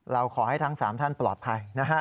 เราขอให้ทั้ง๓ท่านปลอดภัยนะฮะ